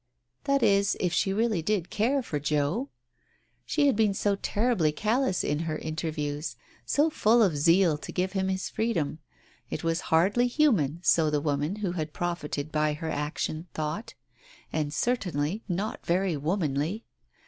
That is, if she really did care for Joe. She had been so terribly callous in her interviews; so full of zeal to give him his freedom. It was hardly human, so the woman who had profited by her action thought, and certainly not very womanly.